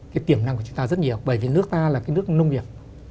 cái tiềm năng của chúng ta rất nhiều bởi vì nước ta là cái nước nông nghiệp